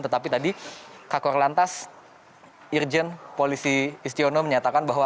tetapi tadi kak korlantas irjen polisi istiono menyatakan bahwa